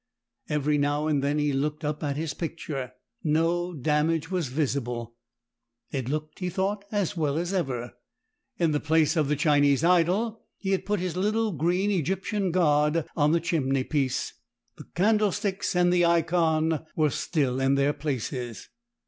Every now and then he looked up at his picture. No damage was visible; it looked, he thought, as well as ever. In the place of the Chinese idol he had put his little green Egyptian god on the chimney piece. The candlesticks and the Ikon were still in their places.